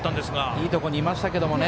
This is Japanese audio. いいところにいましたけど。